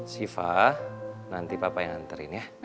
siva nanti papa yang nganterin ya